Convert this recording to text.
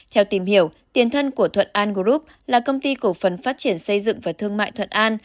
theo tìm hiểu tiền thân của thuận an group là công ty cổ phần phát triển xây dựng và thương mại thuận an